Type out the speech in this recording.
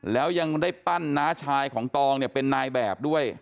แล้วยังได้ปั้นน้าชายของตองเนี่ยเป็นนายแบบด้วย